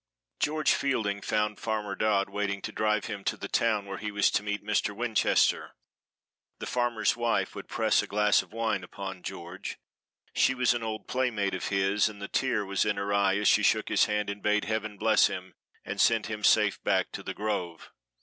GEORGE FIELDING found Farmer Dodd waiting to drive him to the town where he was to meet Mr. Winchester. The farmer's wife would press a glass of wine upon George. She was an old playmate of his, and the tear was in her eye as she shook his hand and bade Heaven bless him, and send him safe back to "The Grove."